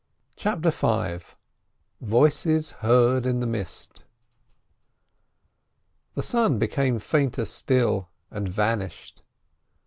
CHAPTER V VOICES HEARD IN THE MIST The sun became fainter still, and vanished.